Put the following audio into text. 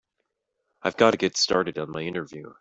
I've got to get started on my interview.